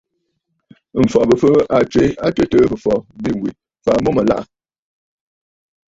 M̀fɔ̀ Bɨ̀fɨɨ̀ à tswe a tɨtɨ̀ɨ bɨ̀fɔ̀ bîwè fàa mbùʼù àlaʼà.